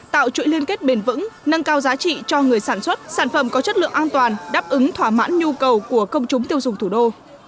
tạo chuỗi liên kết bền vững nâng cao giá trị cho người sản xuất sản phẩm có chất lượng an toàn đáp ứng thỏa mãn nhu cầu của công chúng tiêu dùng thủ đô